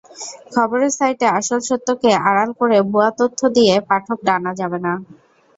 খবরের সাইটে আসল সত্যকে আড়াল করে ভুয়া তথ্য দিয়ে পাঠক টানা যাবে না।